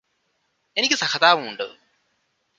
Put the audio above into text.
എനിക്ക് സഹതാപമുണ്ട്